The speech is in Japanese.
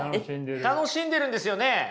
楽しんでるんですよね。